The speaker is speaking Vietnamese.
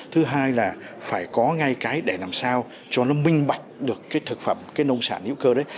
thứ hai là phải có ngay cái để làm sao cho nó minh bạch được cái thực phẩm cái nông sản hữu cơ đấy